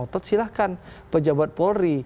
otot silahkan pejabat polri